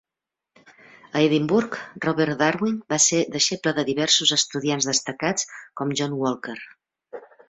A Edimburg Robert Darwin va ser deixeble de diversos estudiants destacats com John Walker.